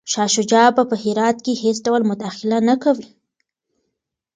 شاه شجاع به په هرات کي هیڅ ډول مداخله نه کوي.